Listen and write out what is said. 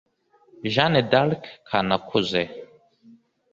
Jeanne d’Arc Kanakuze